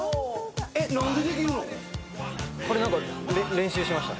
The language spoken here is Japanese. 練習しました。